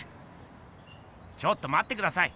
ちょっとまってください！